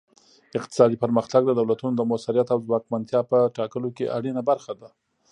اقتصادي پرمختګ د دولتونو د موثریت او ځواکمنتیا په ټاکلو کې اړینه برخه ده